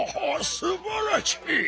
すばらしい！